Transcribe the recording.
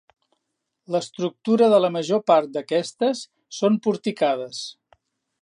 L'estructura de la major part d'aquestes són porticades.